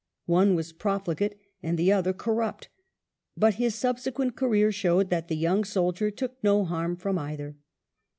One was profligate and the other corrupt, but his subsequent career showed that the young soldier took no harm from either.